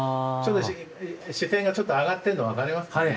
ちょっと視線がちょっと上がってるの分かりますか？